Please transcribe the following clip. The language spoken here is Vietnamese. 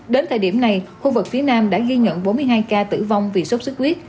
đến thời điểm này khu vực phía nam đã ghi nhận bốn mươi hai ca tử vong vì sốt xuất huyết